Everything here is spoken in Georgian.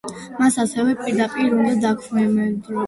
მას ასევე პირდაპირ უნდა დაქვემდებარებოდა პომორიე.